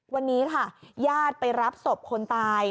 วันนี้ค่ะญาติไปรับศพคนตาย